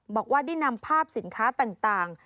บอกว่าได้นำภาพสินค้าต่าง